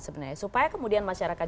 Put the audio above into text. sebenarnya supaya kemudian masyarakat